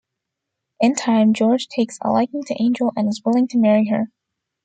In time, George takes a liking to Angel and is willing to marry her.